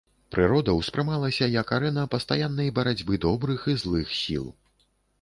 Прырода ўспрымалася як арэна пастаяннай барацьбы добрых і злых сіл.